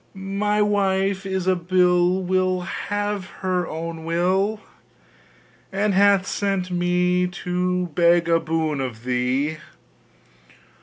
My wife Ilsabill Will have her own will, And hath sent me to beg a boon of thee!